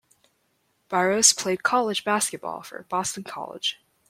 Barros played college basketball for Boston College.